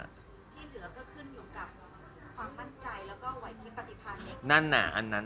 ที่เหลือก็ขึ้นอยู่กับความมั่นใจแล้วก็ไหวที่ปฏิพันธ์